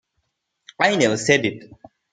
I never said it.